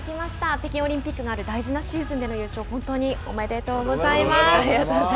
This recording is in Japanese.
北京オリンピックのある大事なシーズンでの優勝ありがとうございます。